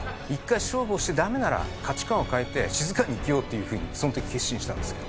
１回勝負をしてダメなら価値観を変えて静かに生きようっていう風にその時決心したんですよ。